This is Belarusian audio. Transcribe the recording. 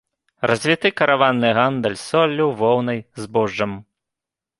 Развіты караванны гандаль соллю, воўнай, збожжам.